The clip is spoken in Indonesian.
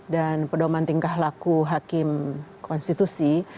dan pedoman tingkah laku hakim konstitusi